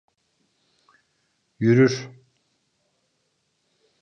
Yürür.